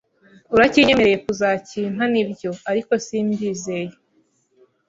uracyinyemereye kuzacyimpa nibyo ariko simbizeye